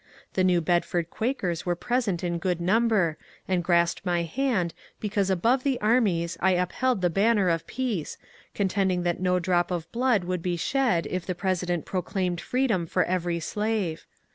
The New Bedford Quakers were present in good number and grasped my hand because above the armies I upheld the banner of Peace, con tending that no drop of blood would be shed if the President proclaimed freedom for every slave.